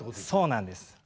そうなんです。